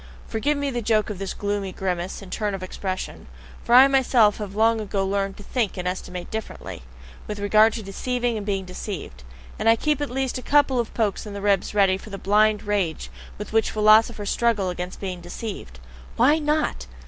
Forgive me the joke of this gloomy grimace and turn of expression; for I myself have long ago learned to think and estimate differently with regard to deceiving and being deceived, and I keep at least a couple of pokes in the ribs ready for the blind rage with which philosophers struggle against being deceived. Why NOT?